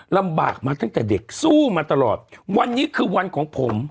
ลำบากมาตั้งแต่เด็กสู้มาตลอดวันนี้คือวันของผม